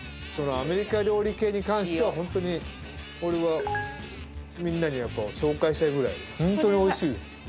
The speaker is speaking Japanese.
アメリカ料理系に関してはホントに俺はみんなに紹介したいぐらいホントに美味しい。